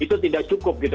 itu tidak cukup gitu